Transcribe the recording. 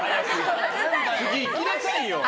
次、いきなさいよ！